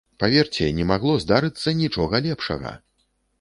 Паверце, не магло здарыцца нічога лепшага!